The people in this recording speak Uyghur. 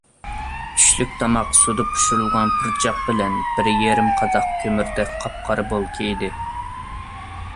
چۈشلۈك تاماق سۇدا پىشۇرۇلغان پۇرچاق بىلەن بىر يېرىم قاداق كۆمۈردەك قاپقارا بولكا ئىدى.